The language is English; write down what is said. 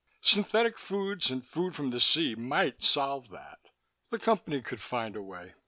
Synthetic foods and food from the sea might solve that the Company could find a way.